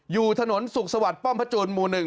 อยู่ถนนสุขสวัสดิ์ป้อมพระจูนหมู่๑